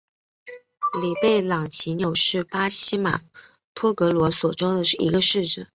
里贝朗齐纽是巴西马托格罗索州的一个市镇。